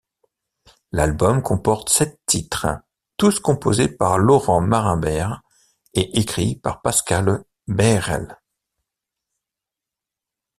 L’album comporte sept titres, tous composés par Laurent Marimbert et écrits par Pascale Baehrel.